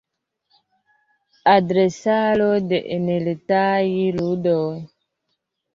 Adresaro de enretaj ludoj.